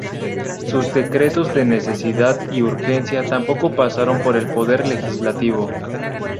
Sus decretos de necesidad y urgencia tampoco pasaron por el Poder Legislativo.